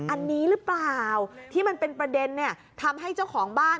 อันนี้หรือเปล่าที่มันเป็นประเด็นเนี่ยทำให้เจ้าของบ้าน